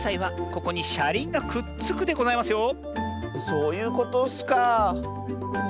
そういうことッスか。